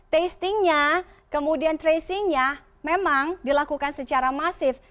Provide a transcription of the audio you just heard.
testingnya kemudian tracingnya memang dilakukan secara masif